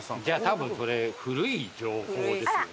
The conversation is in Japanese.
多分それ古い情報ですね。